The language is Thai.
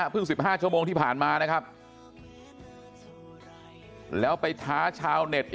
๑๕ชั่วโมงที่ผ่านมานะครับแล้วไปท้าชาวเน็ต